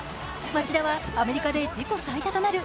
町田はアメリカで自己最多となる